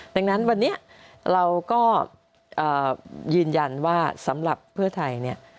ดังนั้นวันนี้เราก็ยืนยันว่าสำหรับเพื่อไทยเนี่ย